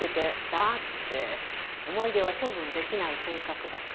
だって思い出は処分できない性格だから。